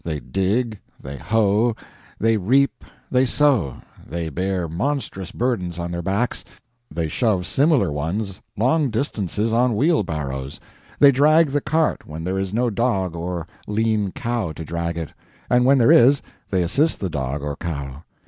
They dig, they hoe, they reap, they sow, they bear monstrous burdens on their backs, they shove similar ones long distances on wheelbarrows, they drag the cart when there is no dog or lean cow to drag it and when there is, they assist the dog or cow.